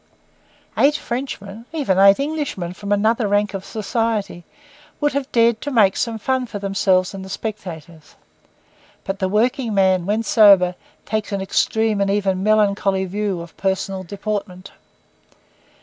Eight Frenchmen, even eight Englishmen from another rank of society, would have dared to make some fun for themselves and the spectators; but the working man, when sober, takes an extreme and even melancholy view of personal deportment.